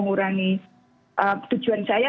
mengurangi tujuan saya